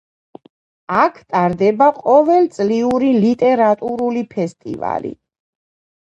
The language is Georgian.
აქ ტარდება ყოველწლიური ლიტერატურული ფესტივალი.